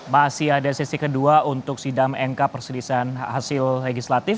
masih ada sesi kedua untuk sidang mk perselisihan hasil legislatif